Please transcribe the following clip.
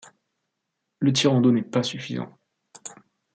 Le tirant d'eau n'est pas suffisant.